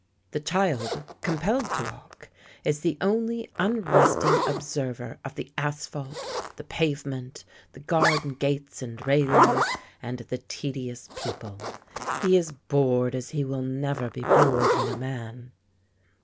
The child, compelled to walk, is the only unresting observer of the asphalt, the pavement, the garden gates and railings, and the tedious people. He is bored as he will never be bored when a man.